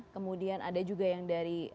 kemudian ada juga yang dari